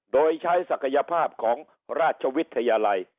โดยใช้ศักยภาพของราชวิทยาลัย